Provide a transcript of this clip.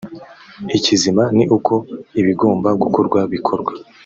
Ikizima ni uko ibigomba gukorwa bikorwa